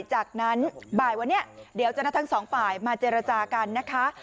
จากนั้นบ่ายวันนี้เดี๋ยวจะนัดทั้งสองฝ่ายมาเจรจากันนะคะ